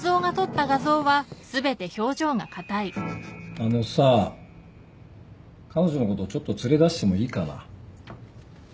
あのさ彼女のことちょっと連れ出してもいいかな？